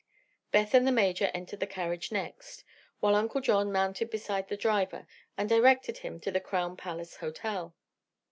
Beth and the Major entered the carriage next, while Uncle John mounted beside the driver and directed him to the Crown Palace Hotel.